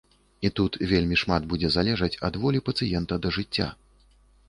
І тут вельмі шмат будзе залежаць ад волі пацыента да жыцця.